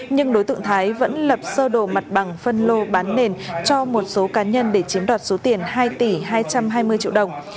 nhưng đối tượng thái vẫn lập sơ đồ mặt bằng phân lô bán nền cho một số cá nhân để chiếm đoạt số tiền hai tỷ hai trăm hai mươi triệu đồng